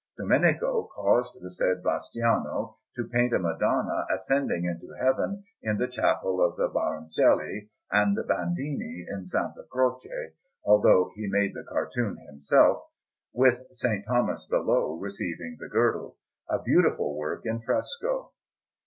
Domenico caused the said Bastiano to paint a Madonna ascending into Heaven in the Chapel of the Baroncelli and Bandini in S. Croce (although he made the cartoon himself), with S. Thomas below receiving the Girdle a beautiful work in fresco.